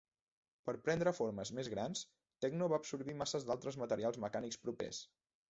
Per prendre formes més grans, Techno va absorbir massa d'altres materials mecànics propers.